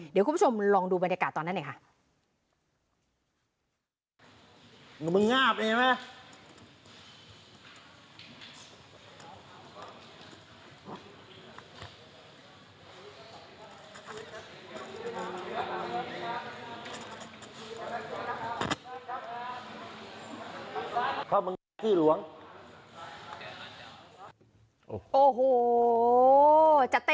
เดี๋ยวคุณผู้ชมลองดูบรรยากาศตอนนั้นหน่อยค่ะ